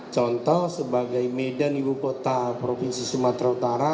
contoh sebagai medan ibu kota provinsi sumatera utara